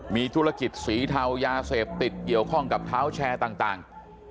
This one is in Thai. มีธุรกิจสีเทายาเสพติดเกี่ยวข้องกับเท้าแชร์ต่าง